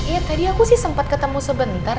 ya tadi aku sih sempat ketemu sebentar